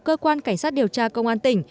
cơ quan cảnh sát điều tra công an tỉnh